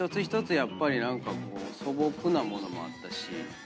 やっぱり何かこう素朴なものもあったし。